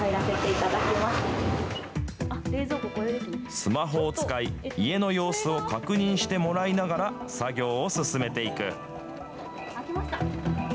スマホを使い、家の様子を確認してもらいながら作業を進めていく。